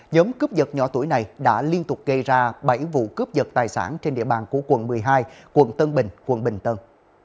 nhóm cướp giật nhỏ tuổi này đã liên tục gây ra bảy vụ cướp giật tài sản trên địa bàn của quận một mươi hai quận tân bình quận bình tân